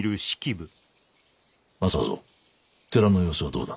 政蔵寺の様子はどうだ？